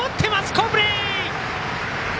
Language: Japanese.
好プレー！